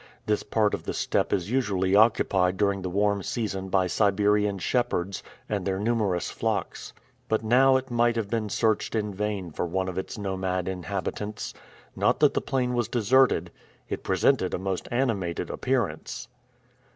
This part of the steppe is usually occupied during the warm season by Siberian shepherds, and their numerous flocks. But now it might have been searched in vain for one of its nomad inhabitants. Not that the plain was deserted. It presented a most animated appearance.